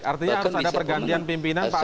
artinya harus ada pergantian pimpinan pak akbar ya